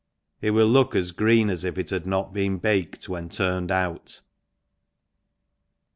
It vvill look as green as if it had not been baked, when turned out.